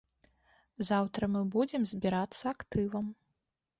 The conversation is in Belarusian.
Заўтра мы будзем збірацца актывам.